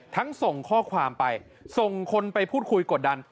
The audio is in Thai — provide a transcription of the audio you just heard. ส่งข้อความไปส่งคนไปพูดคุยกดดัน